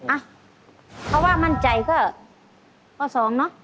อ่ะเขาว่ามั่นใจก็ข้อ๒เนอะ